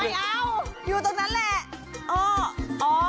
ไม่เอาอยู่ตรงนั้นแหละ